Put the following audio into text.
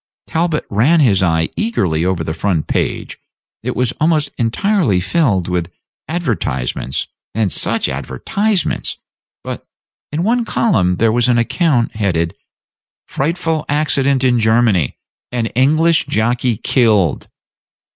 Talbot ran his eye eagerly over the front page; it was almost entirely filled with advertisements (and such advertisements!), but in one column there was an account headed "FRIGHTFUL ACCIDENT IN GERMANY: AN ENGLISH JOCKEY KILLED."